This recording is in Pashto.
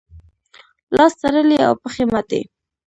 لاس تړلی او پښې ماتې.